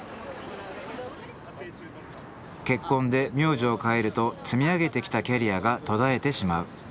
結婚で名字を変えると積み上げてきたキャリアが途絶えてしまう。